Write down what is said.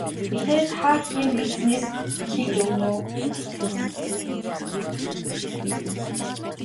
Гэхдээ та хэрхэн мэдсэнээ хэлж өгнө үү.